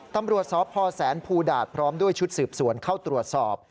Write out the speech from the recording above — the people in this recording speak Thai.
ตำรวจสพแสนภูดาตพร้อมด้วยชุดสืบสวนเข้าตรวจสอบ